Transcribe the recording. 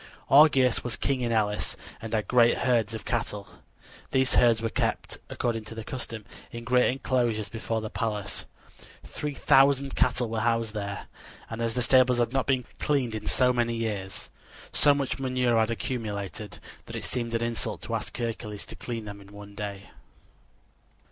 Augeas was king in Elis and had great herds of cattle. These herds were kept, according to the custom, in a great inclosure before the palace. Three thousand cattle were housed there, and as the stables had not been cleaned for many years, so much manure had accumulated that it seemed an insult to ask Hercules to clean them in one day.